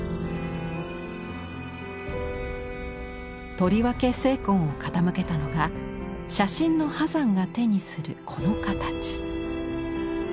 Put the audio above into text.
とりわけ精魂を傾けたのが写真の波山が手にするこの形。